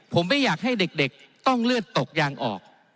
ผมไม่อยากให้เด็กต้องเลือดตกยางออก